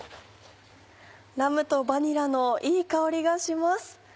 ラムとバニラのいい香りがします。